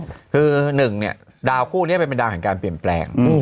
คือหนึ่งเนี่ยดาวคู่นี้เป็นดาวแห่งการเปลี่ยนแปลง